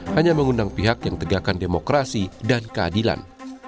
hanya mengundang pihak yang tegakan demokrasi dan keadilan